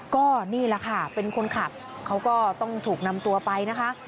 ก็นี่แหละค่ะเป็นคนขับเขาก็ต้องถูกนำตัวไปนะคะ